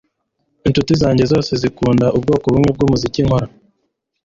inshuti zanjye zose zikunda ubwoko bumwe bwumuziki nkora